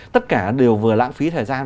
tất cả đều vừa lãng phí thời gian